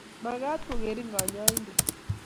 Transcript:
makat kokerin kanyaindwt